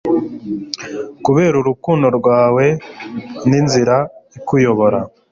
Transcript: kubera urukundo rwawe ninzira ikuyobora